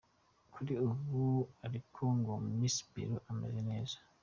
Kuri ubu ariko ngo Miss Peru ameze neza.